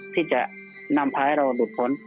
ที่จะนำพลาดให้เราดูดผล